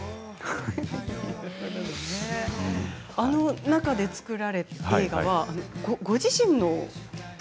あの中で作られた映画はご自身の。